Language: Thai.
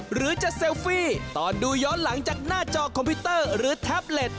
หรือจะเซลฟี่ตอนดูย้อนหลังจากหน้าจอคอมพิวเตอร์หรือแท็บเล็ต